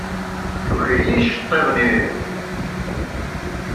Tuker-iyi iceṭṭiḍen-iw!